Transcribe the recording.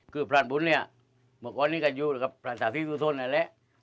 คือพระอันบุญเนี่ยเมื่อก่อนนี้ก็อยู่กับพระศาสตร์ที่ทุกษลนั้นแหละ